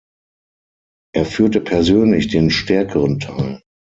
Er führte persönlich den stärkeren Teil.